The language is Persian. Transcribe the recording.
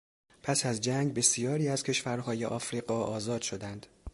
پس از جنگ بسیاری از کشورهای افریقا آزاد شدند.